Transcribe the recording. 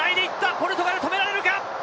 ポルトガル止められるか。